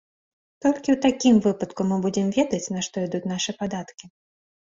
Толькі ў такім выпадку мы будзем ведаць, на што ідуць нашы падаткі.